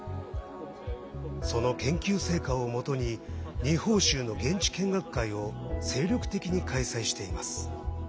その研究成果をもとに二峰しゅうの現地見学会を精力的に開催しています。